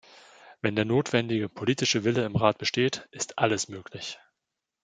Wenn der notwendige politische Wille im Rat besteht, ist alles möglich.